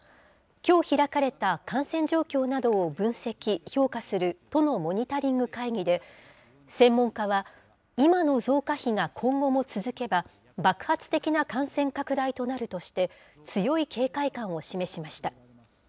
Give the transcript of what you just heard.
きょう開かれた、感染状況などを分析・評価する都のモニタリング会議で、専門家は今の増加比が今後も続けば、爆発的な感染拡大となるとして、強い警戒感を示しました。